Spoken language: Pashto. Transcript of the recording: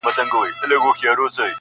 د چا ارمان چي وم، د هغه چا ارمان هم يم,